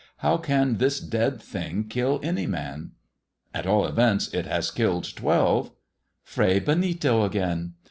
How caa tluR dead thing kill any man ]"" At all events it has killed twelve." " Fray Benito again